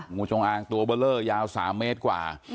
งูจงอางตัวเบอร์เลอร์ยาว๓เมตรกว่า